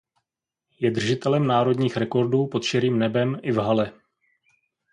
Je držitelem národních rekordů pod širým nebem i v hale.